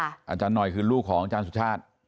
อาจารย์หน่อยคือลูกของอาจารย์สุชาติ